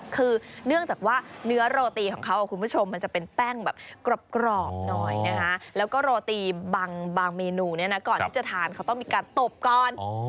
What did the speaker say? คือเนื่องจากว่าเนื้อโรตีของเขาว่าเป็นแป้งกรอบหน่อยนะคะแล้วก็โรตีบางบางเมนูก่อนที่จะทานเขาต้องตบก่อน